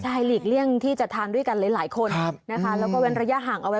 ใช่หลีกเลี่ยงที่จะทานด้วยกันหลายคนนะคะแล้วก็เว้นระยะห่างเอาไว้